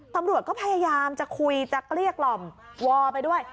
ตำรวจก็พยายามจะคุยจะเกลี้ยกล่อมวอลไปด้วย